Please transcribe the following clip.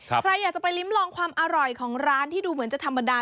ใครอยากจะไปลิ้มลองความอร่อยของร้านที่ดูเหมือนจะธรรมดา